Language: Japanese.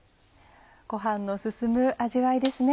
ご飯の進む味わいですね。